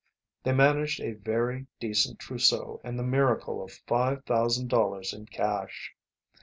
They managed a very decent trousseau and the miracle of five thousand dollars in cash.